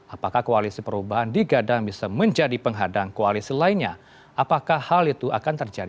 apakah koalisi perubahan digadang bisa menjadi penghadang koalisi lainnya apakah hal itu akan terjadi